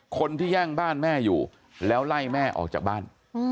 คนที่แย่งบ้านแม่อยู่แล้วไล่แม่ออกจากบ้าน